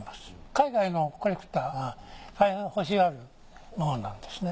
海外のコレクターが大変欲しがるものなんですね。